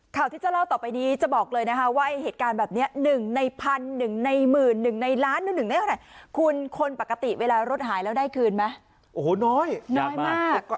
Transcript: ข่าวที่จะเล่าต่อไปนี้จะบอกเลยนะคะว่าไอ้เหตุการณ์แบบนี้๑ในพันหนึ่งในหมื่นหนึ่งในล้านหรือ๑ได้เท่าไหร่คุณคนปกติเวลารถหายแล้วได้คืนไหมโอ้โหน้อยน้อยมาก